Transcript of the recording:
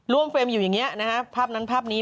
เฟรมอยู่อย่างนี้นะฮะภาพนั้นภาพนี้